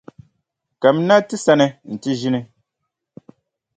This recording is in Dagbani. Kamina ti sani nti ʒini.